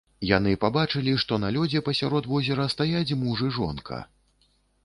Яны пабачылі, што на лёдзе пасярод возера стаяць муж і жонка.